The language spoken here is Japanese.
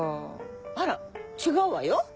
あら違うわよ。